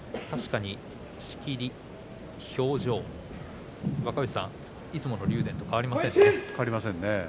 確かに仕切り、表情いつもの竜電と変わりませんね。